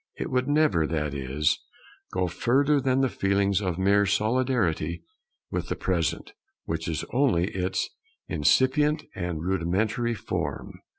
It would never, that is, go further than the feelings of mere solidarity with the Present, which is only its incipient and rudimentary form.